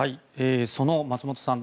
その松本さん